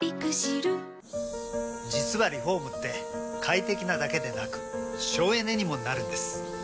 実はリフォームって快適なだけでなく省エネにもなるんです。